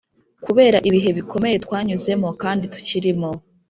kubera ibihe bikomeye twanyuzemo kandi tukirimo